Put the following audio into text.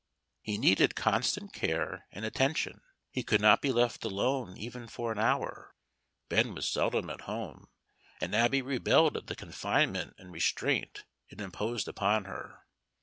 He needed constant care and attention. He could not be left alone even for an hour; Ben was seldom at home, and Abby rebelled at the confinement and restraint it imposed upon her.